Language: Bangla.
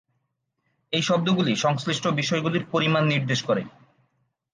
এই শব্দগুলি সংশ্লিষ্ট বিষয়গুলির পরিমাণ নির্দেশ করে।